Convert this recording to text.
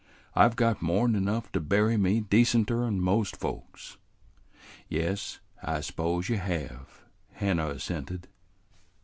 I've got more 'n 'nough to bury me decenter 'n most folks." "Yes, I s'pose y' have," Hannah assented.